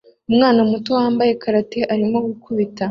Umwana muto wambaye karate arimo gukubita